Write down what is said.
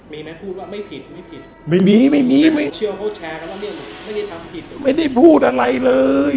มีไหมพูดว่าไม่ผิดไม่ผิดไม่มีไม่มีไม่ไม่ไม่ได้พูดอะไรเลย